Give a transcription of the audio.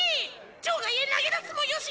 場外へ投げ出すもよし。